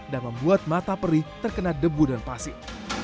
dan membuat mata perih terkena debu dan pasir